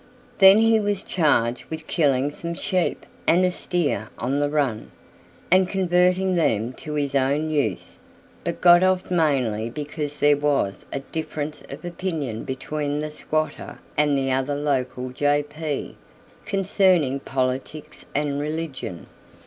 Then he was charged with killing some sheep and a steer on the run, and converting them to his own use, but got off mainly because there was a difference of opinion between the squatter and the other local J.P. concerning politics and religion.